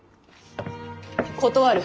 断る。